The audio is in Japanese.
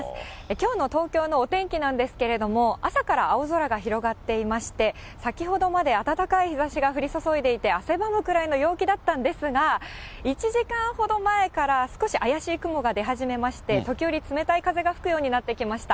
きょうの東京のお天気なんですけれども、朝から青空が広がっていまして、先ほどまで暖かい日ざしが降り注いでいて、汗ばむくらいの陽気だったんですが、１時間ほど前から少し怪しい雲が出始めまして、時折冷たい風が吹くようになってきました。